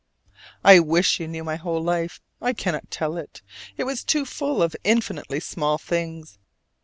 I wish you knew my whole life: I cannot tell it: it was too full of infinitely small things.